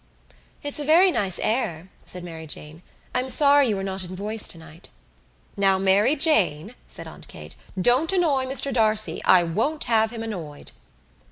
"It's a very nice air," said Mary Jane. "I'm sorry you were not in voice tonight." "Now, Mary Jane," said Aunt Kate, "don't annoy Mr D'Arcy. I won't have him annoyed."